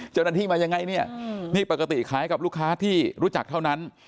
เจ้าหน้าที่มายังไงเนี่ยนี่ปกติขายกับลูกค้าที่รู้จักเท่านั้น